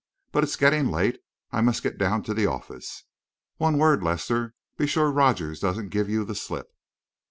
But it's getting late I must get down to the office. One word, Lester be sure Rogers doesn't give you the slip."